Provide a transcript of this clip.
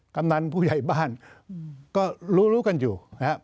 กำนันผู้ใหญ่บ้านก็รู้กันอยู่